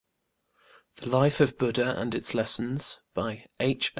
15 The Life of Buddha and Its Lessons BY H.